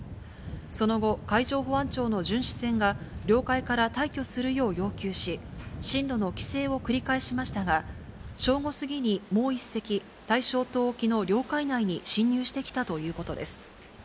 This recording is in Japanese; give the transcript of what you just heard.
その後、海上保安庁の巡視船が領海から退去するよう要求し、進路の規制を繰り返しましたが、正午過ぎにもう１隻、大正島沖の領海内に侵入してきたということです。